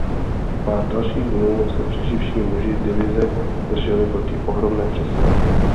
Pár dalších dnů se přeživší muži divize drželi proti ohromné přesile.